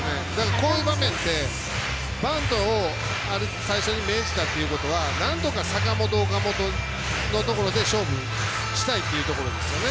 こういう場面ってバントを最初に命じたということはなんとか坂本、岡本のところで勝負したいというところですよね。